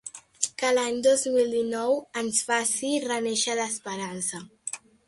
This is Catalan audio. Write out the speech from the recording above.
Que l’any dos mil dinou ens faci renéixer l’esperança.